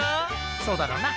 そうだろうな。